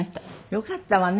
よかったわね